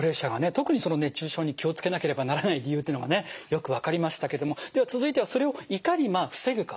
特にその熱中症に気を付けなければならない理由っていうのがねよく分かりましたけどもでは続いてはそれをいかに防ぐかですよね。